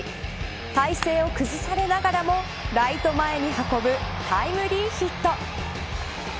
体勢を崩されながらもライト前に運ぶタイムリーヒット。